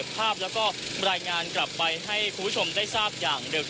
ติดตามการรายงานสดจากคุณทัศนายโค้ดทองค่ะ